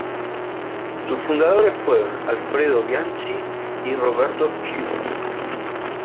Sus fundadores fueron Alfredo Bianchi y Roberto Giusti.